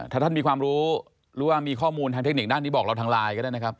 ถ้าท่านมีความรู้หรือว่ามีข้อมูลทางเทคนิคด้านนี้บอกเราทางไลน์ก็ได้นะครับ